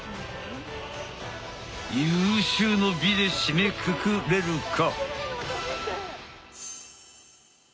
有終の美で締めくくれるか？